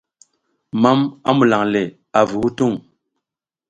Mam a mulan le avu hutung.